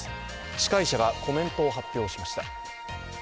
司会者がコメントを発表しました。